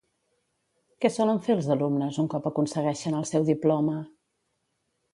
Què solen fer els alumnes un cop aconsegueixen el seu diploma?